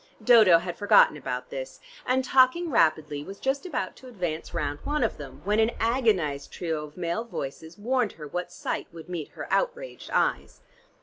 Dodo had forgotten about this and talking rapidly was just about to advance round one of them when an agonized trio of male voices warned her what sight would meet her outraged eyes.